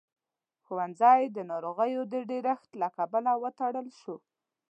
ښوونځی د ناروغيو د ډېرښت له کبله وتړل شو.